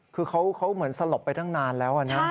คือเขาเหมือนสลบไปตั้งนานแล้วนะ